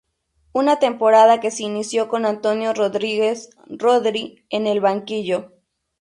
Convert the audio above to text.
Una temporada que se inició con Antonio Rodríguez, 'Rodri', en el banquillo.